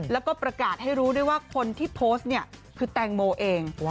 แล้วก็ประกาศให้รู้ได้ว่าคนที่โพสคือแตงโมเอง